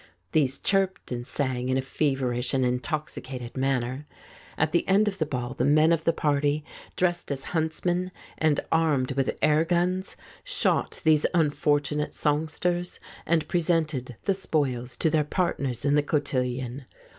These chirped and sang in a feverish and intoxicated manner. At the end of the ball the men of the party, dressed as huntsmen and armed with air guns, shot these unfortunate songsters and presented the spoils to their partners in the cotillion.